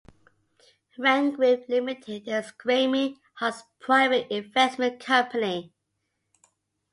Rank Group Limited is Graeme Hart's private investment company.